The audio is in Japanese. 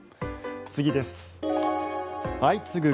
次です。